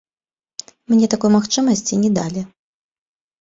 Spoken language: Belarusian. Мне такой магчымасці не далі.